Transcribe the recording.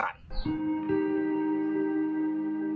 ketika bintang ini diangkat